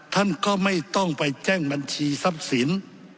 ท่านก็ไม่ต้องไปแจ้งบัญชีทรัพย์สิน